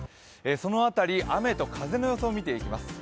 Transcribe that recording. その辺り、雨と風の予想、見ていきます。